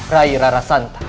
raih rara santa